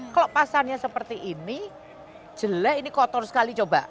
kalau pasarnya seperti ini jelek ini kotor sekali coba